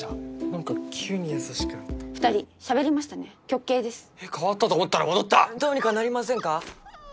なんか急に優しくなった２人しゃべりましたね極刑ですえっ変わったと思ったら戻ったどうにかなりませんか？